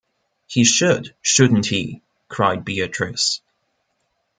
“He should, shouldn’t he!” cried Beatrice.